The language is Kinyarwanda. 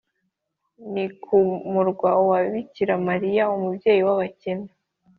nil ku murwa wa bikira mariya umubyeyi w’abakene,